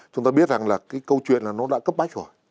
chúng ta biết rằng là cái câu chuyện là nó đã cấp bách rồi